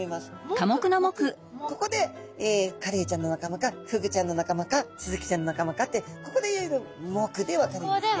ここでカレイちゃんの仲間かフグちゃんの仲間かスズキちゃんの仲間かってここでいろいろ目で分かれます。